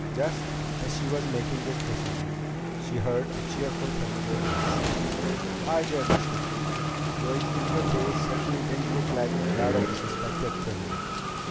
Just as she was making this decision, she heard a cheerful, familiar voice: "Hi there, Miss Vicki!" Joey's eager face certainly didn't look like that of a suspected criminal.